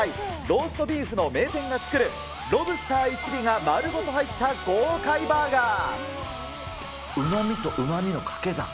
ローストビーフの名店が作るロブスター１尾が丸ごと入った豪快バーガー。